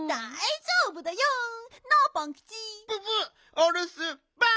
おるすばん！